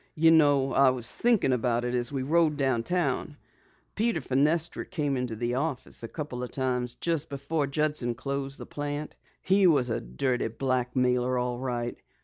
You know, I was thinkin' about it as we rode downtown. Peter Fenestra came into the office a couple of times just before Judson closed the plant. He was a dirty blackmailer, all right!